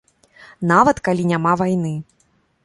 Нават калі няма вайны.